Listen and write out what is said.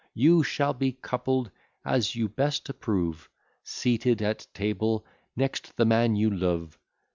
You shall be coupled as you best approve, Seated at table next the man you love.